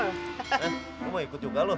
eh gue mau ikut juga lo